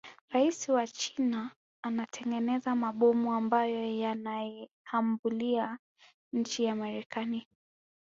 Raisi wa china anatengeneza mabomu ambayo yanaiahambulia nchi ya marekani